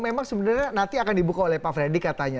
memang sebenarnya nanti akan dibuka oleh pak fredy